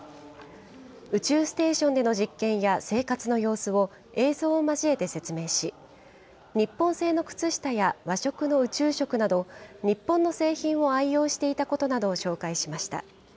宇宙ステーションでの実験や生活の様子を映像を交えて説明し、日本製の靴下や、和食の宇宙食など、日本の製品を愛用していたことなどを紹介しました。